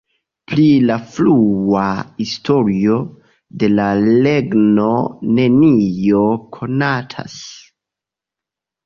Pri la frua historio de la regno nenio konatas.